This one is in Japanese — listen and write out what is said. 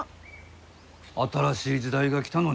新しい時代が来たのにか？